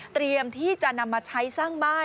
เตรียมที่จะนำมาใช้สร้างบ้าน